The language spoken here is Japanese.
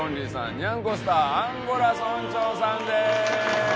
にゃんこスターアンゴラ村長さんです。